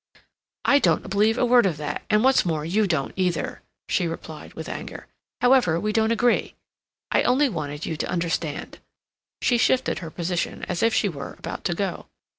"I don't believe a word of that, and what's more you don't, either," she replied with anger. "However, we don't agree; I only wanted you to understand." She shifted her position, as if she were about to go.